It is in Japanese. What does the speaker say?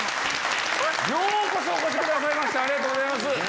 ようこそお越しくださいましてありがとうございます。